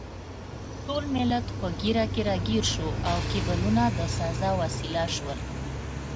ټول ملت په ږیره کې راګیر شو او کیبلونه د سزا وسیله شول.